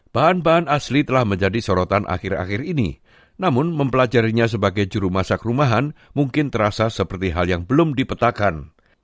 bahan bahan asli telah menjadi sorotan akhir akhir ini namun mempelajarinya sebagai juru masak rumahan mungkin terasa seperti hal yang belum dipetakan